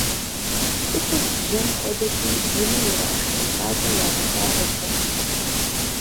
ЦӀыхур бжьэм хуэдэти, унэ ирашэ нысащӀэр уагъэлъагъуртэкъым.